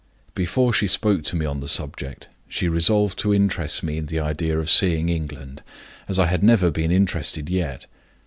"Before she spoke to me on the subject, she resolved to interest me in the idea of seeing England, as I had never been interested yet.